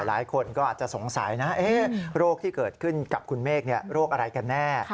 หลายคนก็อาจจะสงสัยนะโรคที่เกิดขึ้นกับคุณเมฆโรคอะไรกันแน่